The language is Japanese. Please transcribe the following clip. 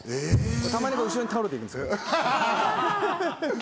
たまに後ろに倒れていくんですけど。